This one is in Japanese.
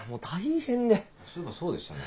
そういえばそうでしたね。